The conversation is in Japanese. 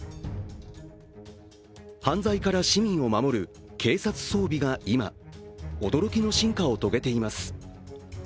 犯罪から市民を守る警察装備が今、驚きの進化を遂げています。